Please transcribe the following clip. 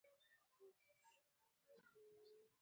وفادار دوست په پیسو نه پلورل کیږي.